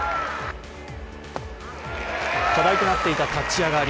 課題となっていた立ち上がり